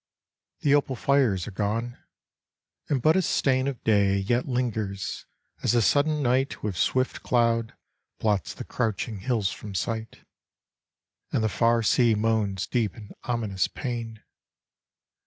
The opal fires are gone, and but a stain Of day yet lingers as the sudden night With swift cloud blots the crouching hills from sight, And the far sea moans deep in ominous pain.